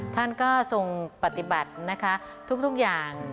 ท่านก็ทรงปฏิบัตินะคะทุกอย่าง